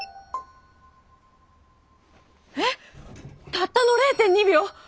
たったの０．２秒！？